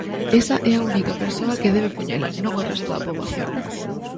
Esa é a única persoa que debe poñela, non o resto da poboación.